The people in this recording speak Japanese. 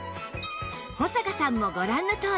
保坂さんもご覧のとおり